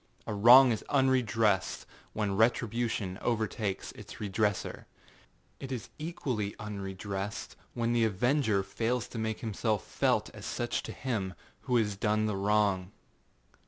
A wrong is unredressed when retribution overtakes its redresser. It is equally unredressed when the avenger fails to make himself felt as such to him who has done the wrong.